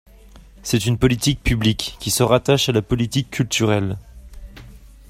C’est une politique publique, qui se rattache à la politique culturelle.